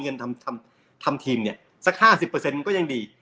เงินทำทำทำทีมเนี้ยสักห้าสิบเพอร์เซ็นต์ก็ยังดี